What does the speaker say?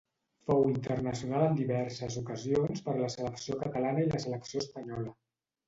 Fou internacional en diverses ocasions per la selecció catalana i la selecció espanyola.